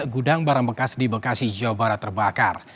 gudang barang bekas di bekasi jawa barat terbakar